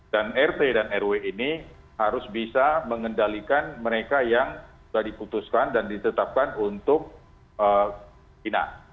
dan rt dan rw ini harus bisa mengendalikan mereka yang sudah diputuskan dan ditetapkan untuk kina